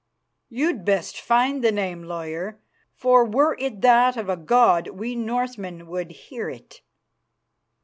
"You'd best find the name, lawyer, for were it that of a god we Northmen would hear it."